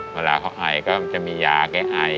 เวลาเขาอ่ายก็มีมียาไอ